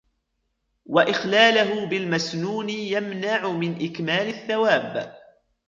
وَإِخْلَالَهُ بِالْمَسْنُونِ يَمْنَعُ مِنْ إكْمَالِ الثَّوَابِ